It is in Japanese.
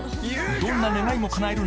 「どんな願いも叶える」